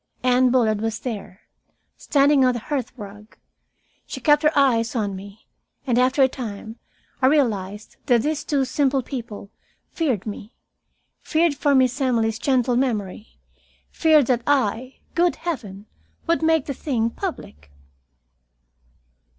Anne Bullard was there, standing on the hearth rug. She kept her eyes on me, and after a time I realized that these two simple people feared me, feared for Miss Emily's gentle memory, feared that I good heaven! would make the thing public.